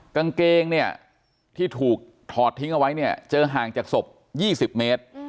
กางเกงที่ถูกถอดทิ้งไว้เจอห่างจากศพ๒๐เมตร